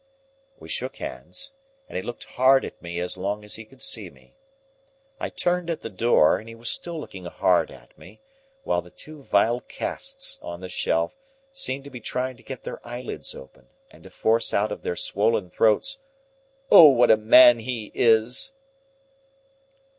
We shook hands, and he looked hard at me as long as he could see me. I turned at the door, and he was still looking hard at me, while the two vile casts on the shelf seemed to be trying to get their eyelids open, and to force out of their swollen throats, "O, what a man he is!"